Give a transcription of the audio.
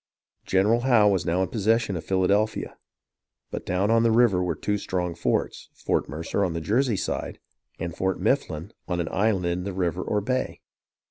General Howe was now in possession of Philadelphia ; but down on the river were two strong forts. Fort Mercer on the Jersey side, and Fort Mifflin on an island in the river or bay.